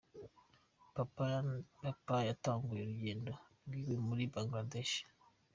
Papa yatanguye urugendo rwiwe muri Bangladesh.